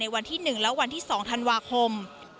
วันที่๑และวันที่๒ธันวาคม